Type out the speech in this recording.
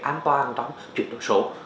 an toàn trong chuyển đổi số